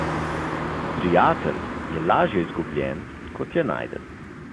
Prijatelj je lažje izgubljen, kot je najden.